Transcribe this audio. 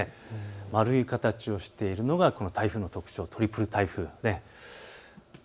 丸い形をしているのが台風の特徴、トリプル台風ですね。